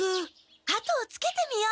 あとをつけてみよう！